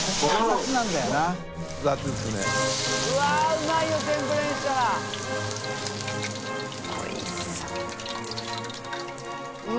おいしそう。